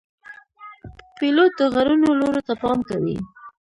پیلوټ د غرونو لوړو ته پام کوي.